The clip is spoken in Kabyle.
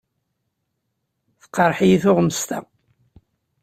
Teqreḥ-iyi tuɣmest-a.